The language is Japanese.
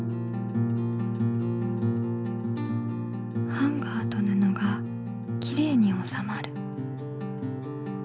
ハンガーとぬのがきれいにおさまる。